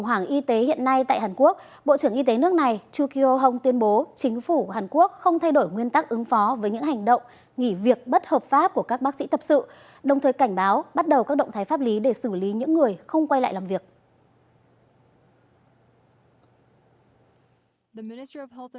khủng hoảng y tế hiện nay tại hàn quốc bộ trưởng y tế nước này chu kỳo hong tuyên bố chính phủ hàn quốc không thay đổi nguyên tắc ứng phó với những hành động nghỉ việc bất hợp pháp của các bác sĩ tập sự đồng thời cảnh báo bắt đầu các động thái pháp lý để xử lý những người không quay lại làm việc